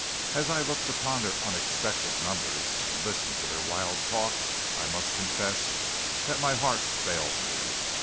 As I looked upon their unexpected numbers and listened to their wild talk, I must confess that my heart failed me.